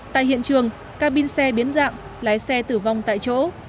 tại hiện trường cabin xe biến dạng lái xe tử vong tại chỗ